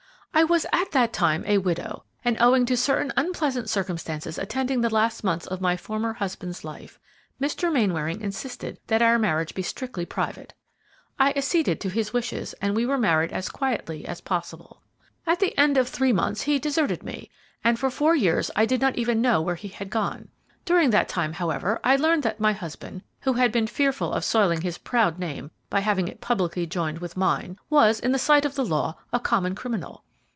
I was at that time a widow, and, owing to certain unpleasant circumstances attending the last months of my former husband's life, Mr. Mainwaring insisted that our marriage be strictly private. I acceded to his wishes, and we were married as quietly as possible. At the end of three months he deserted me, and for four years I did not even know where he had gone. During that time, however, I learned that my husband, who had been fearful of soiling his proud name by having it publicly joined with mine, was, in the sight of the law, a common criminal.